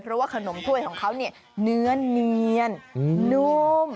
เพราะว่าขนมถ้วยของเขาเนี่ยเนื้อเนียนนุ่ม